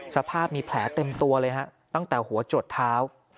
สภาพมีแผลเต็มตัวเลยฮะตั้งแต่หัวจดเท้า